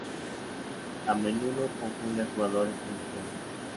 A menudo confunde a jugadores principiantes.